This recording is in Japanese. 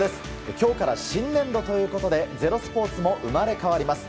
今日から新年度ということで「ｚｅｒｏ」スポーツも生まれ変わります。